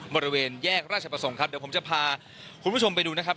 บริเวณแยกราชประสงค์ครับเดี๋ยวผมจะพาคุณผู้ชมไปดูนะครับ